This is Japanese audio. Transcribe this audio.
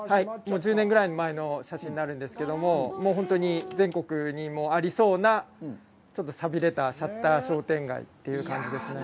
１０年ぐらい前の写真になるんですけれども、もう本当に全国にありそうなちょっと寂れたシャッター商店街という感じですね。